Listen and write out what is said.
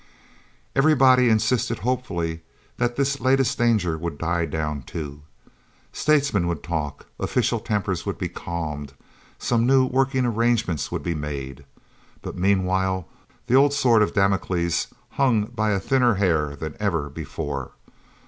Everybody insisted hopefully that this latest danger would die down, too. Statesmen would talk, official tempers would be calmed, some new working arrangements would be made. But meanwhile, the old Sword of Damocles hung by a thinner hair than ever before.